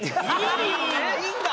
・いいんだ！